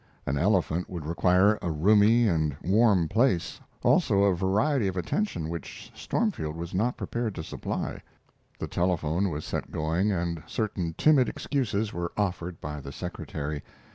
An elephant would require a roomy and warm place, also a variety of attention which Stormfield was not prepared to supply. The telephone was set going and certain timid excuses were offered by the secretary.